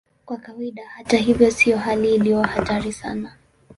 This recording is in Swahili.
Kwa kawaida, hata hivyo, sio hali iliyo hatari sana.